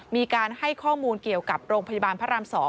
มีการให้ข้อมูลเกี่ยวกับโรงพยาบาลพระราม๒